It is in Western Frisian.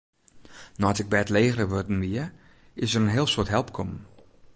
Nei't ik bêdlegerich wurden wie, is der in heel soad help kommen.